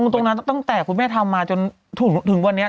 ตั้งแต่คุณแม่ทำมาจนถึงวันนี้